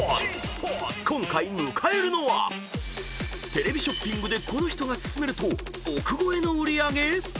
［今回迎えるのはテレビショッピングでこの人が薦めると億超えの売り上げ⁉］